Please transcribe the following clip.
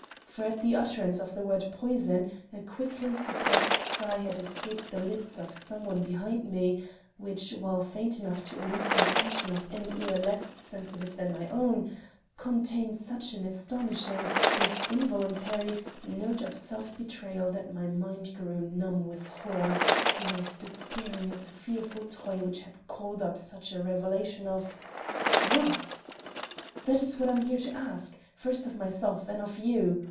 For at the utterance of the word 'poison,' a quickly suppressed cry had escaped the lips of some one behind me, which, while faint enough to elude the attention of any ear less sensitive than my own, contained such an astonishing, if involuntary, note of self betrayal that my mind grew numb with horror, and I stood staring at the fearful toy which had called up such a revelation of what? That is what I am here to ask, first of myself, then of you.